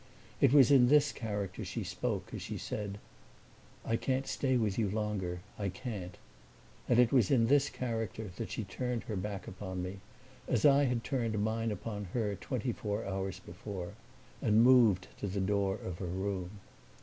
It was in this character she spoke as she said, "I can't stay with you longer, I can't;" and it was in this character that she turned her back upon me, as I had turned mine upon her twenty four hours before, and moved to the door of her room.